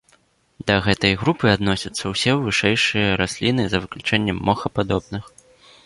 Да гэтай групы адносяцца ўсё вышэйшыя расліны за выключэннем мохападобных.